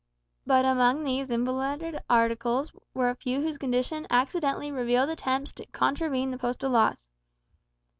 But among these invalided articles were a few whose condition accidentally revealed attempts to contravene the postal laws.